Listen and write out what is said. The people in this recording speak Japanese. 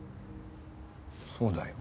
そうだよ。